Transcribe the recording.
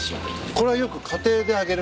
これはよく家庭で揚げる。